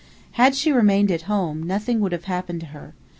Had she remained at home, nothing would have happened to her.